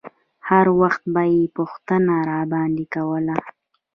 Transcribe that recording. هر وخت به يې پوښتنه راباندې کوله.